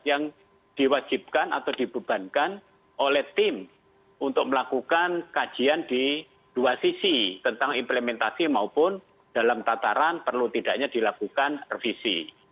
yang diwajibkan atau dibebankan oleh tim untuk melakukan kajian di dua sisi tentang implementasi maupun dalam tataran perlu tidaknya dilakukan revisi